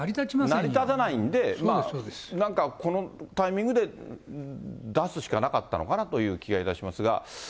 成り立たないんで、なんか、このタイミングで出すしかなかったのかなという気がいたしますが。